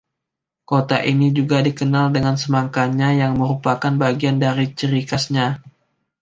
Kota ini juga dikenal dengan semangkanya yang merupakan bagian dari ciri khasnya.